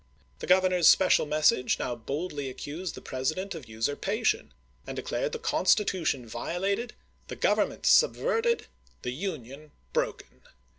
The Governor's special message now boldly ac cused the President of usurpation, and declared the Constitution violated, the Government sub verted, the Union broken.